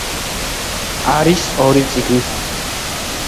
არის ორი წიგნის ავტორი.